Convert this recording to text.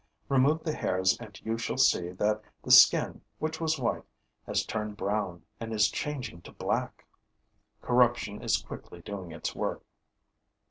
Remove the hairs and you shall see that the skin, which was white, has turned brown and is changing to black. Corruption is quickly doing its work.